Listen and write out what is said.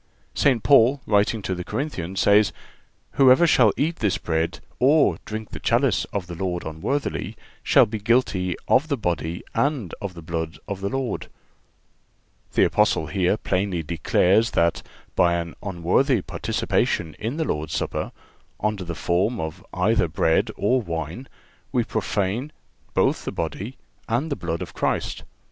St. Paul, writing to the Corinthians, says: "Whosoever shall eat this bread, or drink the chalice of the Lord unworthily, shall be guilty of the body and of the blood of the Lord."(379) The Apostle here plainly declares that, by an unworthy participation in the Lord's Supper, under the form of either bread or wine, we profane both the body and the blood of Christ.